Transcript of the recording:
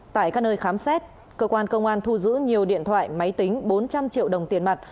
tại các nơi khám xét cơ quan công an thu giữ nhiều điện thoại máy tính bốn trăm linh triệu đồng tiền mặt